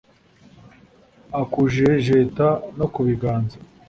akujejeta no ku biganza